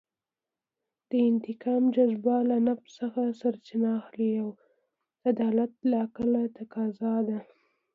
د انتقام جذبه له نفس څخه سرچینه اخلي او عدالت د عقل تفاضا ده.